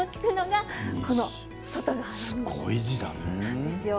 すごい字だね。